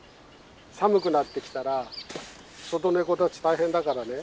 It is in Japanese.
寒くなってきたら外ネコたち大変だからね